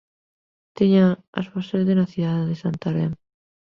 Tiña a súa sede na cidade de Santarém.